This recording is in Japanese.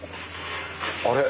あれ？